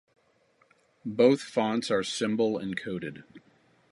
Both fonts are Symbol-encoded.